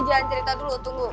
jangan cerita dulu tunggu